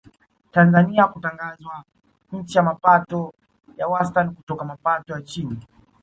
Tanzania kutangazwa nchi ya mapato ya wastani kutoka mapato ya chini